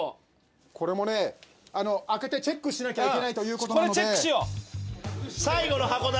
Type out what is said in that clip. これもね開けてチェックしなきゃいけないという事なので。